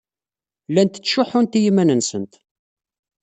Llant ttcuḥḥunt i yiman-nsent.